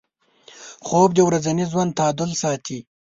خوب د ورځني ژوند تعادل ساتي